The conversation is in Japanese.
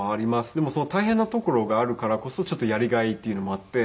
でも大変なところがあるからこそちょっとやりがいっていうのもあって。